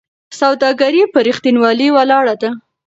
سوداګري په رښتینولۍ ولاړه ده.